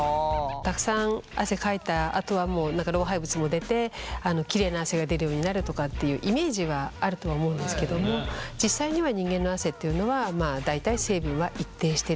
たくさん汗かいたあとは老廃物も出てきれいな汗が出るようになるとかっていうイメージはあるとは思うんですけども実際にはえ。